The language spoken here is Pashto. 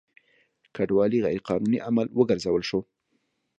کډوالي غیر قانوني عمل وګرځول شو.